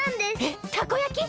えたこ焼き！？